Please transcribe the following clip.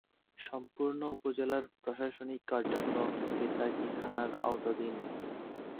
সম্পূর্ণ উপজেলার প্রশাসনিক কার্যক্রম বেতাগী থানার আওতাধীন।